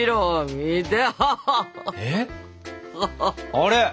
あれ？